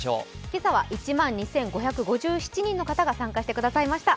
今朝は１万２５５７人の方が参加してくれました。